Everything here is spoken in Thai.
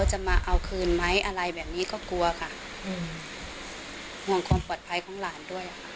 จะมาเอาคืนไหมอะไรแบบนี้ก็กลัวค่ะห่วงความปลอดภัยของหลานด้วยค่ะ